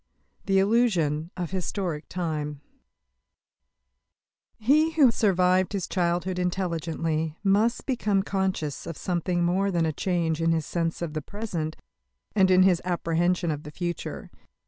THE ILLUSION OF HISTORIC TIME He who has survived his childhood intelligently must become conscious of something more than a change in his sense of the present and in his apprehension of the future.